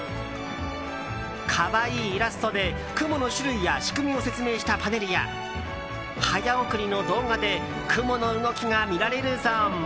可愛いイラストで雲の種類や仕組みを説明したパネルや早送りの動画で雲の動きが見られるゾーンも。